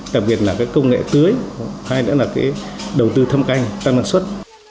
đặc biệt là công nghệ tưới hay nữa là đầu tư thăm canh tăng năng suất